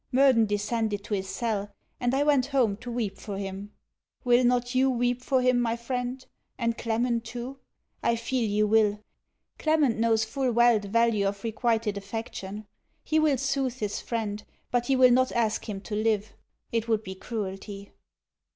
Murden descended to his cell; and I went home to weep for him. Will not you weep for him, my friend? and Clement too? I feel you will. Clement knows full well the value of requited affection; he will sooth his friend, but he will not ask him to live. It would be cruelty.